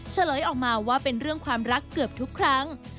เฉลยออกมาว่าเป็นเรื่องความรักเกือบทุกครั้ง